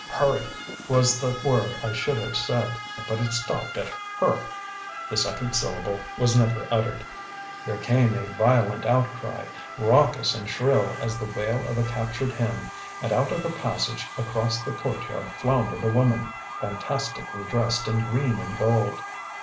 "Hurry" was the word I would have said, but it stopped at "hur ." The second syllable was never uttered. There came a violent outcry, raucous and shrill as the wail of a captured hen, and out of the passage across the courtyard floundered a woman, fantastically dressed in green and gold.